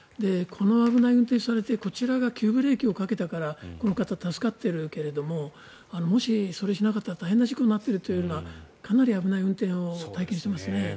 危ない運転をされてこちらが急ブレーキをかけたからこの方、助かっているけれどももし、それをしなかったら大変な事故になるというのはかなり危ない運転を体験しましたね。